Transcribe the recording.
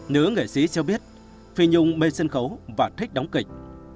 nữ nghệ sĩ cho biết phi nhung bên sân khấu và thích đóng kịch